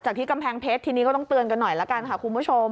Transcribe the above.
ที่กำแพงเพชรทีนี้ก็ต้องเตือนกันหน่อยละกันค่ะคุณผู้ชม